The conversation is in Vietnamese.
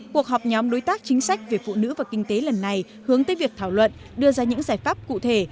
cuộc họp nhóm đối tác chính sách về phụ nữ và kinh tế lần này hướng tới việc thảo luận đưa ra những giải pháp cụ thể